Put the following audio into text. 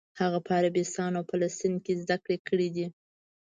هغه په عربستان او فلسطین کې زده کړې کړې دي.